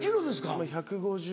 今１５０。